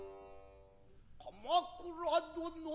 鎌倉殿の。